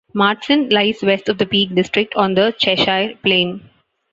Marston lies west of the Peak District on the Cheshire Plain.